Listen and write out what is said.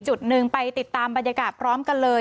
จุดหนึ่งไปติดตามบรรยากาศพร้อมกันเลย